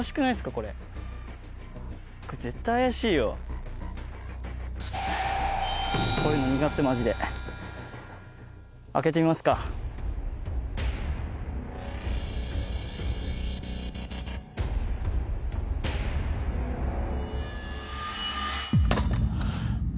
これこういうの苦手マジで開けてみますかはあ